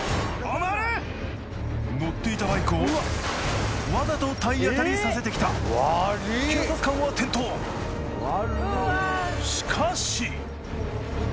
乗っていたバイクをわざと体当たりさせてきた警察官は転倒しかし！